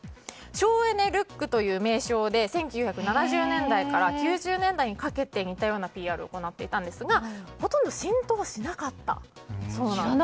省エネルックという名称で１９７０年代から９０年代にかけて似たようなＰＲを行っていたんですが、ほとんど浸透しなかったそうなんです。